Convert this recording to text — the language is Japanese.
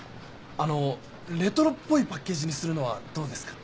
あのレトロっぽいパッケージにするのはどうですか？